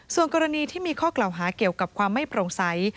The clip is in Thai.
ส่วนกรณีที่มีข้อกล่าวหาเกี่ยวกับความไม่โปร่งใส